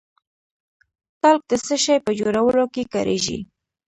تالک د څه شي په جوړولو کې کاریږي؟